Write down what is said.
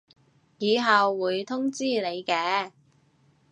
以後會通知你嘅